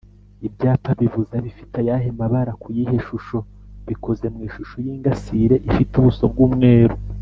Ibyapa bibuza bifite ayahe mabara kuyihe shusho?bikoze mu ishusho y’ingasire ifite ubuso bw’umweru